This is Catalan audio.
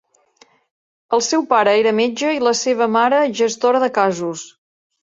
El seu pare era metge i la seva mare gestora de casos.